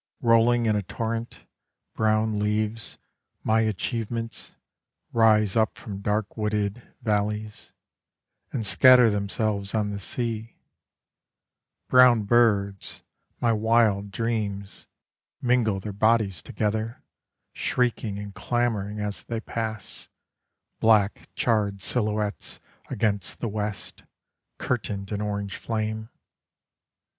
Rolling in a torrent, Brown leaves, my achievements, Rise up from dark wooded valleys And scatter themselves on the sea; Brown birds, my wild dreams, Mingle their bodies together, Shrieking and clamouring as they pass, Black charred silhouettes Against the west, curtained in orange flame.